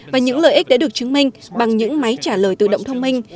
và những lợi ích đã được chứng minh bằng những máy trả lời tự động thông minh